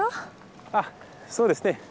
あそうですね。